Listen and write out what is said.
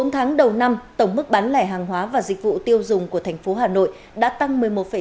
bốn tháng đầu năm tổng mức bán lẻ hàng hóa và dịch vụ tiêu dùng của thành phố hà nội đã tăng một mươi một